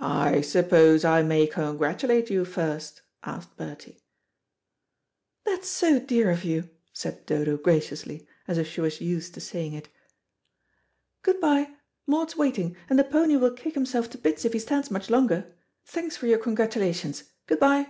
"I suppose I may congratulate you first?" asked Bertie. "That's so dear of you," said Dodo graciously, as if she was used to saying it. "Good bye; Maud's waiting, and the pony will kick himself to bits if he stands much longer. Thanks for your congratulations. Good bye."